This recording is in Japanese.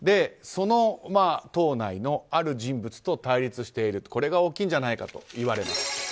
その党内のある人物と対立しているこれが大きいんじゃないかと。